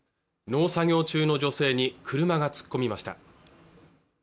農作業中の女性に車が突っ込みました